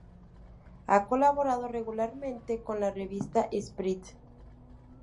Ha colaborado regularmente con la revista "Esprit".